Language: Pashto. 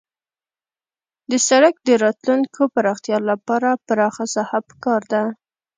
د سرک د راتلونکي پراختیا لپاره پراخه ساحه پکار ده